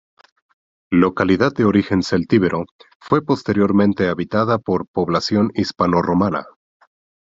Localidad de origen celtíbero, fue posteriormente habitada por población hispanorromana.